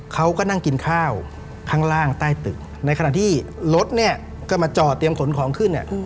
เขาก็นั่งกินข้าวข้างล่างใต้ตึกในขณะที่รถเนี่ยก็มาจอดเตรียมขนของขึ้นเนี่ย